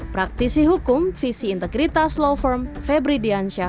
praktisi hukum visi integritas law firm febri diansyah